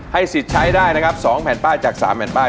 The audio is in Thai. สิทธิ์ใช้ได้นะครับ๒แผ่นป้ายจาก๓แผ่นป้าย